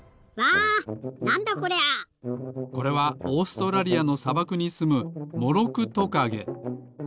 これはオーストラリアのさばくにすむモロクトカゲ。